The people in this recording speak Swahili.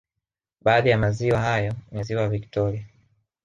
Baadhi ya maziwa hayo ni ziwa Victoria